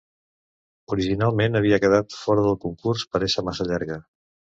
Originalment havia quedat fora del concurs per ésser massa llarga.